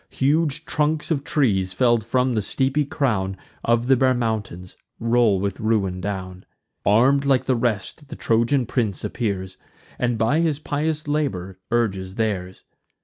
Huge trunks of trees, fell'd from the steepy crown Of the bare mountains, roll with ruin down. Arm'd like the rest the Trojan prince appears, And by his pious labour urges theirs.